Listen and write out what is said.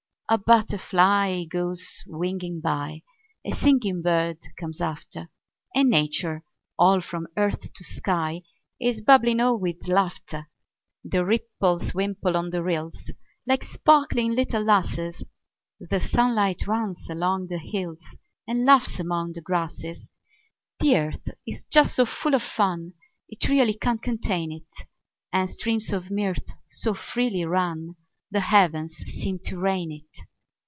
A butterfly goes winging by; A singing bird comes after; And Nature, all from earth to sky, Is bubbling o'er with laughter. The ripples wimple on the rills, Like sparkling little lasses; The sunlight runs along the hills, And laughs among the grasses. The earth is just so full of fun It really can't contain it; And streams of mirth so freely run The heavens seem to rain it.